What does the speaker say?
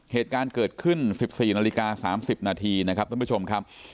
เหตุการณ์เกิดขึ้น๑๔นาฬิกา๓๐นาทีนะครับท่านผู้ชมครับ